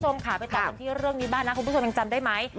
คุณผู้ชมค่ะไปตามตรงที่เรื่องนี้บ้างนะคุณผู้ชมยังจำได้ไหม